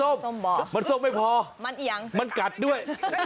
มันสมไม่พอมันกัดด้วย